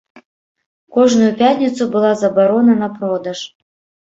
Кожную пятніцу была забарона на продаж.